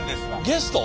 ゲスト！？